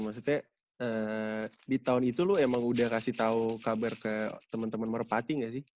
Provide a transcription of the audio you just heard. maksudnya di tahun itu lu emang udah kasih tau kabar ke teman teman merpati gak sih